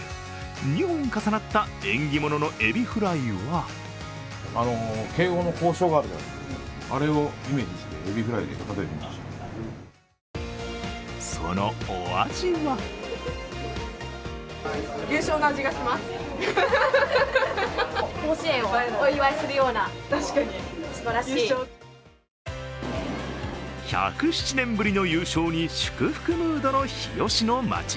２本重なった縁起物のエビフライはそのお味は１０７年ぶりの優勝に祝福ムードの日吉の街。